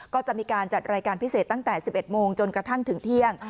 ก็จะมีการจัดรายการพิเศษตั้งแต่๑๑โมงจนกระทั่งถึงเที่ยง